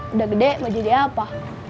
udah gede maju jadi apa